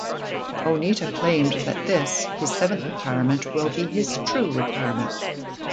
Onita claimed that this, his seventh retirement, will be his "true" retirement.